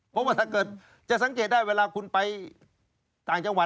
เพราะว่าถ้าเกิดจะสังเกตได้เวลาคุณไปต่างจังหวัด